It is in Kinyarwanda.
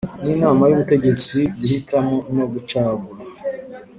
n inama y ubutegetsi guhitamo no gucagura